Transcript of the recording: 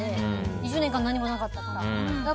２０年間何もなかったから。